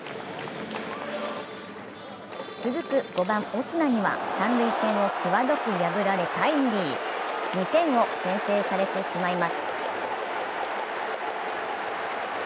続く５番・オスナには三塁線を際どく破られタイムリー２点を先制されてしまいます。